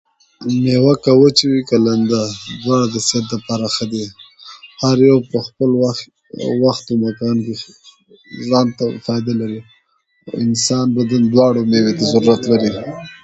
مېوه که وچه وي که لمده دواړه د صحت لپاره ښه دي هر يو په خپل وخت او مکان کي ځانته فايده لري او د انسان بدن دواړه مېوو ته اړتيا لري